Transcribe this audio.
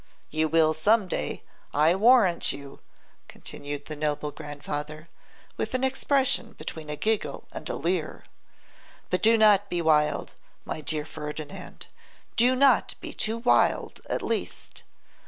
You will some day, I warrant you,' continued the noble grandfather, with an expression between a giggle and a leer; 'but do not be wild, my dear Ferdinand, do not be too wild at least.